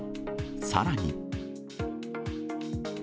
さらに。